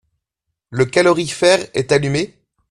Le calorifère est allumé ?